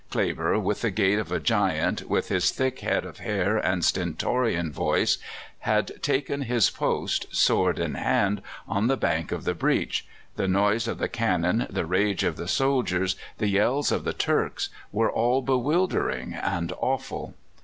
Kleber, with the gait of a giant, with his thick head of hair and stentorian voice, had taken his post, sword in hand, on the bank of the breach. The noise of the cannon, the rage of the soldiers, the yells of the Turks, were all bewildering and awful.